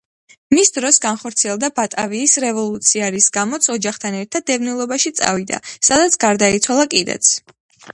მის დროს განხორციელდა ბატავიის რევოლუცია, რის გამოც ოჯახთან ერთად დევნილობაში წავიდა, სადაც გარდაიცვალა კიდეც.